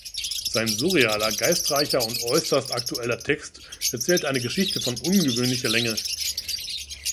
Sein surrealer, geistreicher und äußerst aktueller Text erzählt eine Geschichte von ungewöhnlicher Länge.